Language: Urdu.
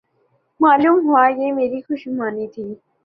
معلوم ہوا یہ میری خوش گمانی تھی۔